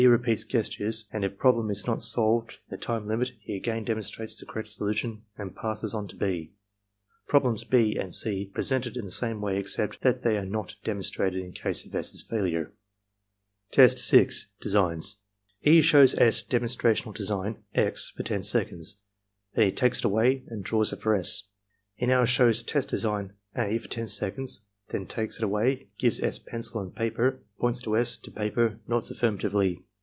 repeats gestures; and if problem is not solved in the time limit he again demonstrates the correct solution and passes on to (6). Problems (6) and (c) are pre sented in the same way except that they are not demonstrated in case of S.'s failure. Test 6. — ^Designs E. shows S. demonstrational design (x) for 10 seconds. Then he takes it away and draws it for S. He now shows test design (a) for 10 seconds; then takes it away, gives S. pencil and paper, points to S., to paper, nods affirmatively.